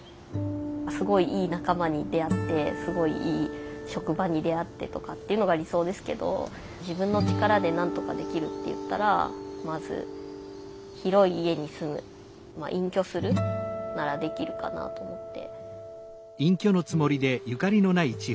すごいいい仲間に出会ってすごいいい職場に出会ってとかっていうのが理想ですけど自分の力でなんとかできるっていったらまず広い家に住む「隠居する」ならできるかなと思って。